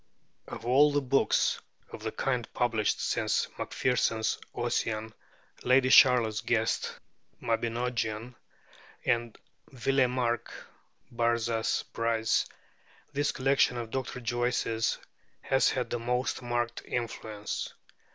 Of all the books of the kind published since Macpherson's 'Ossian,' Lady Charlotte Guest's 'Mabinogion,' and Villemarqué's 'Barzaz Breiz,' this collection of Dr. Joyce's has had the most marked influence.